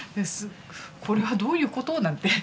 これはどういうこと？なんて